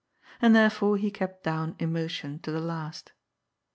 And therefore he kept down emotion, to the last.